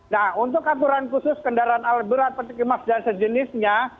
nah untuk aturan khusus kendaraan albert petikimak dan sejenisnya